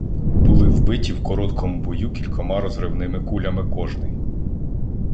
Були вбиті в короткому бою кількома розривними кулями кожний.